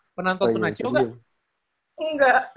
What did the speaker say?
oh iya itu dia